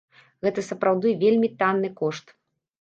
Гэта сапраўды вельмі танны кошт.